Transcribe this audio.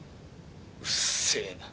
うっせえな。